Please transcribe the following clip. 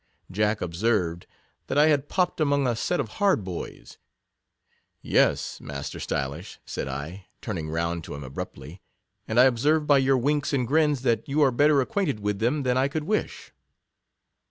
Jack observed, that I had popp'd among a set of hard boys ; yes, master Stylish, said I, turning round to him abruptly, and I ob served by your winks and grins, that you are better acquainted with them than I could wish.